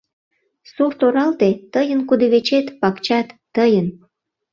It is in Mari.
Сурт-оралте — тыйын, кудывечет, пакчат — тыйын!..